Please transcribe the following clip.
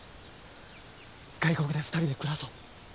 外国で２人で暮らそう。